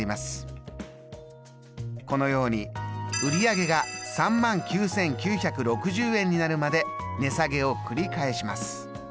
このように売り上げが３万９，９６０円になるまで値下げを繰り返します。